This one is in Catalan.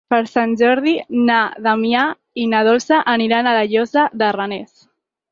Per Sant Jordi na Damià i na Dolça aniran a la Llosa de Ranes.